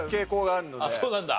あっそうなんだ。